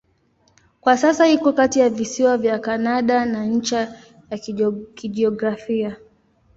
Kwa sasa iko kati ya visiwa vya Kanada na ncha ya kijiografia.